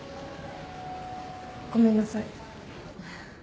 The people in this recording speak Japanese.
ごめんなさい。